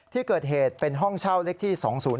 ที่เกิดเหตุเป็นห้องเช่าเลขที่๒๐๔